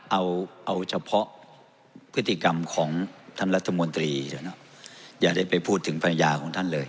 เอาเอาเฉพาะพฤติกรรมของท่านรัฐมนตรีอย่าได้ไปพูดถึงภรรยาของท่านเลย